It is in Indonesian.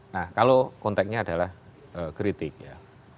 nah kalau konteknya adalah kritik ya